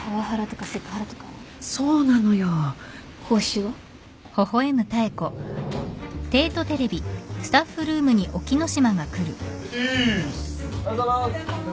おはようございます。